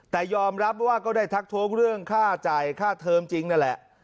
แต่ยอมรับว่าก็ได้ทักท้วงเรื่องค่าจ่ายค่าเทอมจริงนั่นแหละ